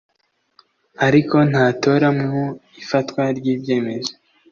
ariko ntatora mu ifatwa ry ibyemezo